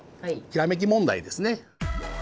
ひらめき問題ですね。